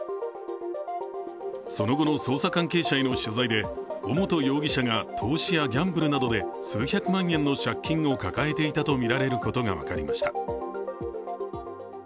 その後の捜査関係者への取材で尾本容疑者が投資やギャンブルなどで数百万円の借金を抱えていたとみられることが分かりました。